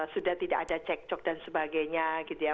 sudah tidak ada cek cok dan sebagainya gitu ya